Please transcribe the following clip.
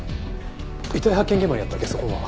遺体発見現場にあったゲソ痕は？